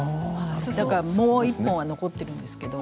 だから、もう１本は残っているんですけど。